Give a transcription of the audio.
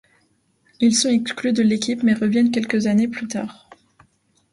Ils sont exclus de l'équipe mais reviennent quelques années plus tard.